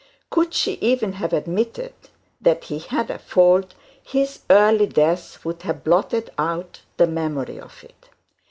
Could she even have admitted that he had a fault, his early death would have blotted out the memory of it.